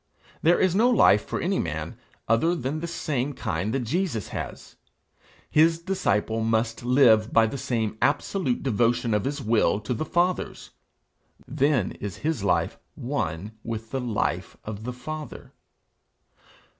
There is no life for any man, other than the same kind that Jesus has; his disciple must live by the same absolute devotion of his will to the Father's; then is his life one with the life of the Father.